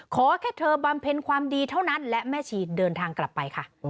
ขอแค่เธอบำเพ็ญความดีเท่านั้นและแม่ชีเดินทางกลับไปค่ะ